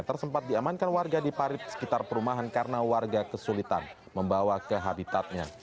tersempat diamankan warga di parit sekitar perumahan karena warga kesulitan membawa ke habitatnya